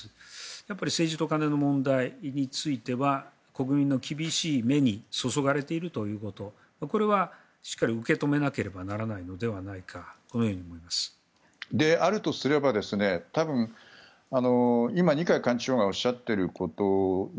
やっぱり政治と金の問題については国民の厳しい目に注がれているということこれはしっかり受け止めなければならないのではないかであるとすれば多分、今、二階幹事長がおっしゃっていることに